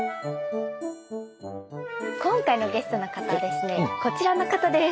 今回のゲストの方はですねこちらの方です！